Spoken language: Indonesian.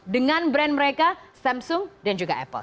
dengan brand mereka samsung dan juga apple